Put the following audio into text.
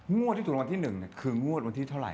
งวดที่ถูกรางวัลที่๑คืองวดวันที่เท่าไห